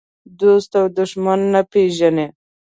دوست او دښمن نه پېژني.